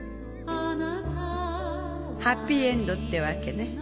ハッピーエンドってわけね。